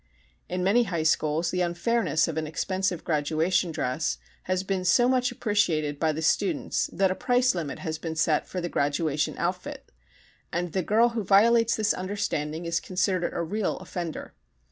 In many high schools the unfairness of an expensive graduation dress has been so much appreciated by the students that a price limit has been set for the graduation outfit, and the girl who violates this understanding is considered a real offender.